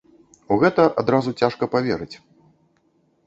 У гэта адразу цяжка паверыць.